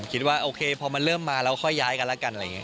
คิดว่าโอเคพอมันเริ่มมาแล้วค่อยย้ายกันแล้วกัน